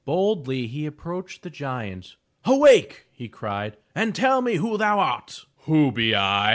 Boldly he approached the giant. ''Awake!'* he cried, "and tell me who thou art/' ''Who be I?''